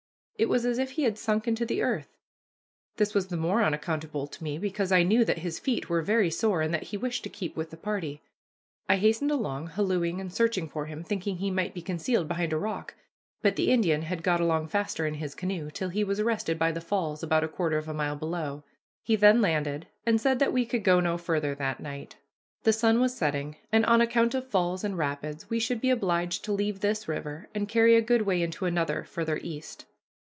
It was as if he had sunk into the earth. This was the more unaccountable to me, because I knew that his feet were very sore, and that he wished to keep with the party. I hastened along, hallooing and searching for him, thinking he might be concealed behind a rock, but the Indian had got along faster in his canoe, till he was arrested by the falls, about a quarter of a mile below. He then landed, and said that we could go no farther that night. The sun was setting, and on account of falls and rapids we should be obliged to leave this river and carry a good way into another farther east.